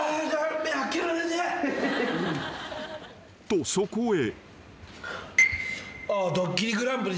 ［とそこへ］